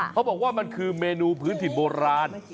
เขาบอกว่ามันคือเมนูพื้นถิ่นโบราณ